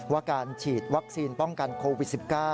ว่าการฉีดวัคซีนป้องกันโควิด๑๙